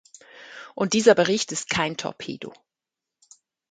Und dieser Bericht ist kein Torpedo.